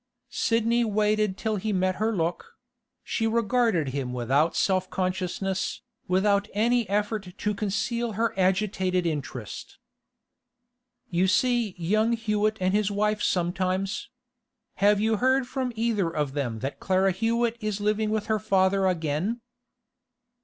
Sidney waited till he met her look; she regarded him without self consciousness, without any effort to conceal her agitated interest. 'You see young Hewett and his wife sometimes. Have you heard from either of them that Clara Hewett is living with her father again?